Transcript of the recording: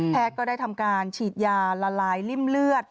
ก็ได้ทำการฉีดยาละลายริ่มเลือด